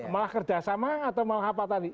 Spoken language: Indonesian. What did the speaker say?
malah kerjasama atau malah apa tadi